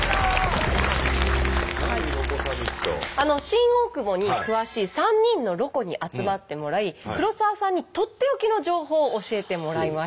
新大久保に詳しい３人のロコに集まってもらい黒沢さんにとっておきの情報を教えてもらいました。